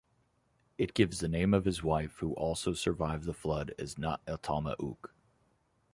It gives the name of his wife who also survived the flood as "Na'eltama'uk".